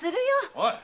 おい！